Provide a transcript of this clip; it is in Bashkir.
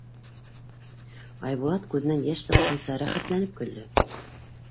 Айбулат күҙенән йәш сыҡҡансы рәхәтләнеп көлдө.